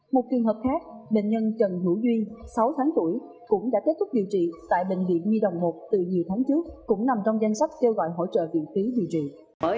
một trường hợp khác bệnh nhân trần hữu duy sáu tháng tuổi cũng đã kết thúc điều trị tại bệnh viện nhi đồng một từ nhiều tháng trước cũng nằm trong danh sách kêu gọi hỗ trợ viện phí điều trị